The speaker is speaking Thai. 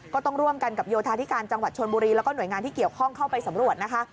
ก็ต้องร่วมกันกับโยธาธิการจังหวัดชนบุรีแล้วก็หน่วยงานที่เกี่ยวข้องเข้าไปสำรวจนะคะ